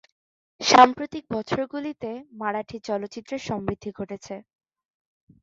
সাম্প্রতিক বছরগুলিতে মারাঠি চলচ্চিত্রের সমৃদ্ধি ঘটেছে।